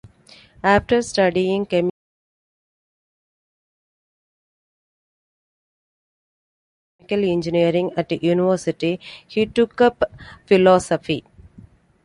After studying chemical engineering at university, he took up philosophy.